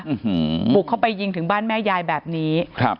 กลุ่มไว้ปุกเข้าไปยิงถึงบ้านแม่ยายแบบนี้ฮะ